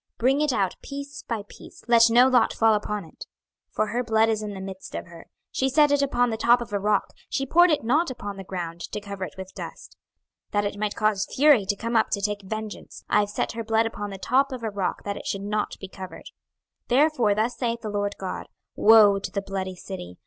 bring it out piece by piece; let no lot fall upon it. 26:024:007 For her blood is in the midst of her; she set it upon the top of a rock; she poured it not upon the ground, to cover it with dust; 26:024:008 That it might cause fury to come up to take vengeance; I have set her blood upon the top of a rock, that it should not be covered. 26:024:009 Therefore thus saith the Lord GOD; Woe to the bloody city!